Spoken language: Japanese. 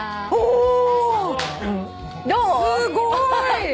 すごい！